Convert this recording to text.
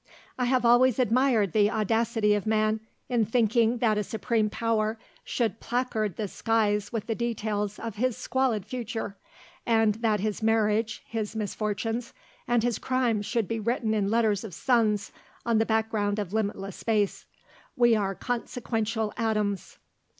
"I have always admired the audacity of man in thinking that a Supreme Power should placard the skies with the details of his squalid future, and that his marriage, his misfortunes, and his crimes should be written in letters of suns on the background of limitless space. We are consequential atoms."